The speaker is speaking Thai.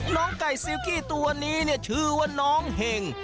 น้องไก่ซิลกี้ตัวนี้เนี่ยชื่อว่าน้องเห็ง